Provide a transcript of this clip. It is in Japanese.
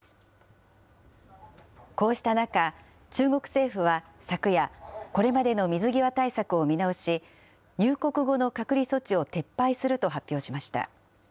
こうした中、中国政府は昨夜、これまでの水際対策を見直し、入国後の隔離措置を撤廃すると発表しました。